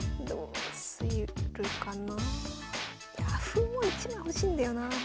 歩も１枚欲しいんだよな。